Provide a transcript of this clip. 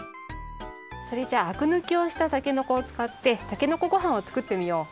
それじゃああくぬきをしたたけのこをつかってたけのこごはんをつくってみよう。